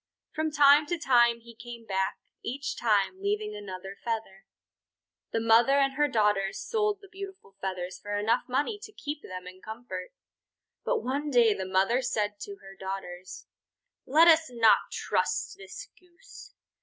From time to time he came back, each time leaving another feather. The mother and her daughters sold the beautiful feathers for enough money to keep them in comfort. But one day the mother said to her daughters: "Let us not trust this Goose.